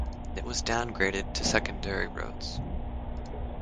It was downgraded to secondary roads.